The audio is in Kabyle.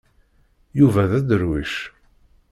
Yuba d aderwic.